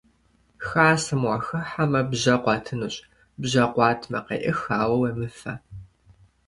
Хасэм уахыхьэмэ, бжьэ къуатынущ; бжьэ къуатмэ, къеӏых, ауэ уахуемыфэ.